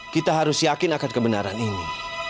kita harus yakin akan kebenaran ini